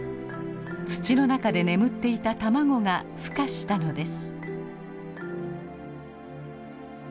土の中で眠っていた卵がふ化したのです。